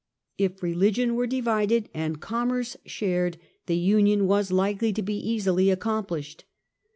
If religion were divided and commerce shared, the Union was likely to be easily accomplished.